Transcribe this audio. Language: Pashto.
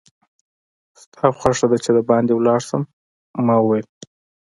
ستا خوښه ده چې دباندې ولاړ شم؟ ما وویل.